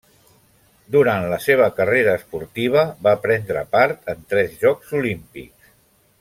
Durant la seva carrera esportiva va prendre part en tres Jocs Olímpics.